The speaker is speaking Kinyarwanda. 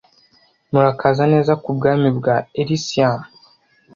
Murakaza neza kubwami bwa Elysium